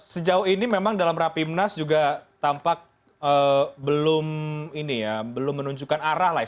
sejauh ini memang dalam rapimnas juga tampak belum menunjukkan arah lah